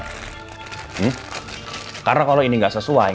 karena kalau ini gak sesuai dengan apa yang gue minta kemarin